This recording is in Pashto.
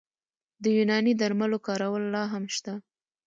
د یوناني درملو کارول لا هم شته.